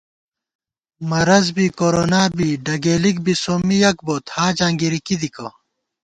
مرَض بی، کُرونا بی، ڈگېلِک بی سومّی یَک بوت حاجاں گِری کی دِکہ